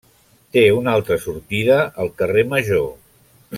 Té una altra sortida al carrer major.